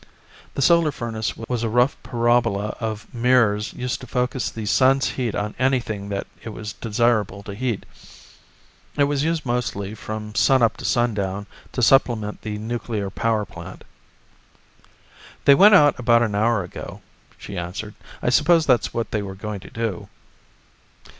The solar furnace was a rough parabola of mirrors used to focus the sun's heat on anything that it was desirable to heat. It was used mostly, from sun up to sun down, to supplement the nuclear power plant. "They went out about an hour ago," she answered, "I suppose that's what they were going to do."